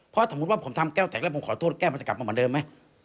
เพราะสมมุติว่าผมทำแก้วแตกแล้วผมขอโทษแก้วมันจะกลับมาเหมือนเดิมไหม